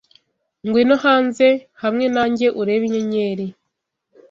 Ngwino hanze hamwe nanjye urebe inyenyeri.